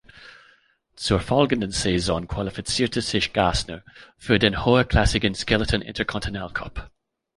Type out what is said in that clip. Zur folgenden Saison qualifizierte sich Gassner für den höherklassigen Skeleton-Intercontinentalcup.